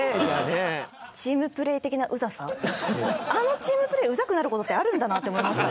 あのチームプレイウザくなる事ってあるんだなって思いました。